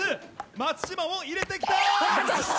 松島も入れてきた！